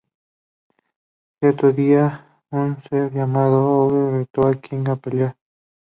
Cierto día, un ser llamado Ogre retó a King a pelear.